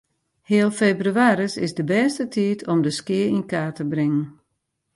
Heal febrewaris is de bêste tiid om de skea yn kaart te bringen.